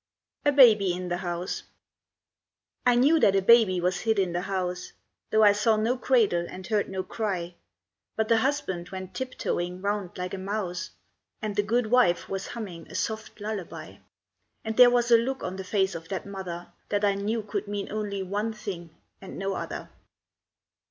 A BABY IN THE HOUSE I knew that a baby was hid in the house; Though I saw no cradle and heard no cry, But the husband went tiptoeing round like a mouse, And the good wife was humming a soft lullaby; And there was a look on the face of that mother That I knew could mean only one thing, and no other.